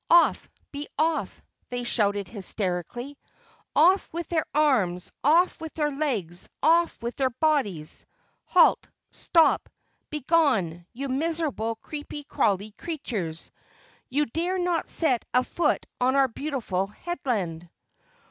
"Off, be off!" they shouted hysterically. "Off with their arms, off with their legs, off with their bodies! Halt! Stop! Begone, you miserable creepy crawly creatures. You dare not set a foot on our beautiful Headland."